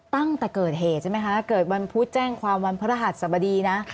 ตั้งแต่เกิดเหตุใช่ไหมคะเกิดวันพุธแจ้งความวันพระรหัสสบดีนะ